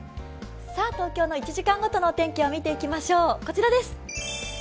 東京の１時間ごとの天気を見ていきましょう。